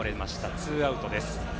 ツーアウトです。